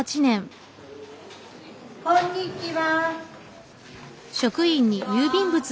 こんにちは。